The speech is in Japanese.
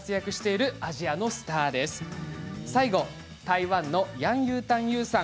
最後、台湾のヤン・ユータンユーさん